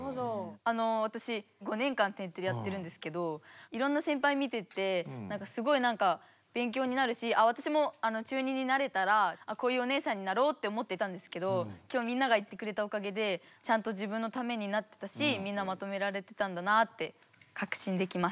わたし５年間「天てれ」やってるんですけどいろんな先輩見ててすごいなんか勉強になるしわたしも中２になれたらこういうお姉さんになろうって思っていたんですけど今日みんなが言ってくれたおかげでちゃんと自分のためになってたしみんなをまとめられてたんだなってかくしんできました。